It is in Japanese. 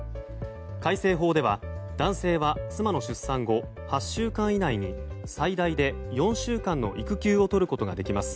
改正法では男性は妻の出産後８週間以内に最大で４週間の育休を取ることができます。